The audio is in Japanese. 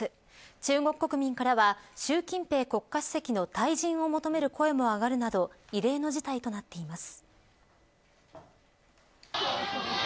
中国国民からは習近平国家主席の退陣を求める声も上がるなど異例の事態となっています。